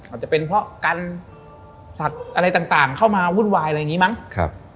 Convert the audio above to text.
อาจจะเป็นเพราะกันสัตว์อะไรต่างเข้ามาวุ่นวายอะไรอย่างนี้มั้งครับ